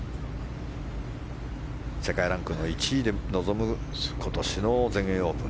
世界ランクの１位で臨む今年の全英オープン。